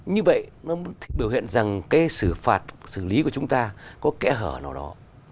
như vậy nó biểu hiện rằng cái xử phạt xử lý của chúng ta có kẽ hở nào đó